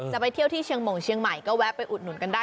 จะไปเที่ยวที่เชียงหม่งเชียงใหม่ก็แวะไปอุดหนุนกันได้